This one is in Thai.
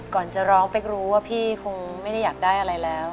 ก่อนจะร้องเป๊กรู้ว่าพี่คงไม่ได้อยากได้อะไรแล้ว